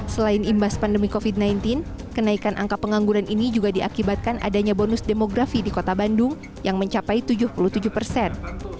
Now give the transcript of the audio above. selain imbas pandemi covid sembilan belas kenaikan angka pengangguran ini juga diakibatkan adanya bonus demografi di kota bandung yang mencapai tujuh puluh tujuh persen